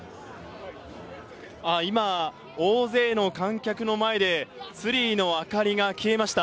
今、大勢の観客の前でツリーの灯りが消えました。